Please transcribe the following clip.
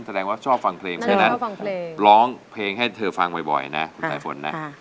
แสดงว่าชอบฟังเพลงเพราะฉะนั้นร้องเพลงให้เธอฟังบ่อยนะคุณสายฝนนะ